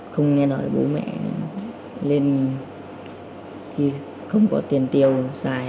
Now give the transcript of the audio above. không nghe nói bố mẹ lên khi không có tiền tiêu xài